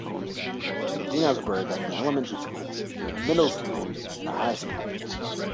Enosburgh has an elementary school, a middle school, and a high school.